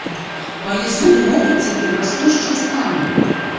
Мае зубы могуць цяпер раструшчыць камень.